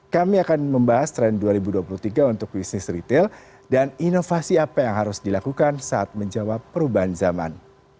kami akan membahas tren dua ribu dua puluh tiga untuk bisnis retail dan inovasi apa yang harus dilakukan saat menjawab perubahan zaman